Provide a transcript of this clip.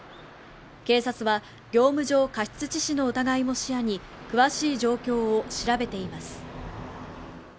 警察は業務上過失致死の疑いも視野に詳しい状況を調べています